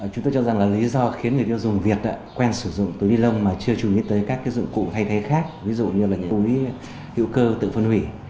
chúng tôi cho rằng là lý do khiến người tiêu dùng việt quen sử dụng túi ni lông mà chưa chủ nghĩ tới các dụng cụ thay thế khác ví dụ như là túi hữu cơ tự phân hủy